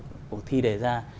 của thi đề ra